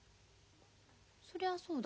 そりゃあそうだ。